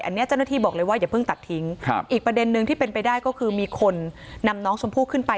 อันนี้เจ้าหน้าที่บอกเลยว่าอย่าเพิ่งตัดทิ้งครับอีกประเด็นนึงที่เป็นไปได้ก็คือมีคนนำน้องชมพู่ขึ้นไป